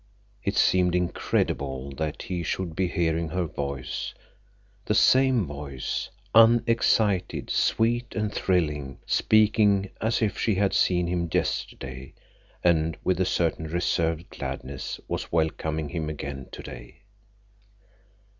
It seemed incredible that he should be hearing her voice, the same voice, unexcited, sweet, and thrilling, speaking as if she had seen him yesterday and with a certain reserved gladness was welcoming him again today.